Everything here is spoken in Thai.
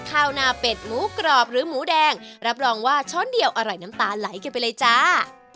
ข้าวหน้าเป็ดหมูกรอบหรือหมูแดงรับรองว่าช้อนเดียวอร่อยน้ำตาไหลกันไปเลยจ้า